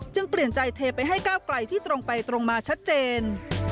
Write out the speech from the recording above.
เปลี่ยนใจเทไปให้ก้าวไกลที่ตรงไปตรงมาชัดเจน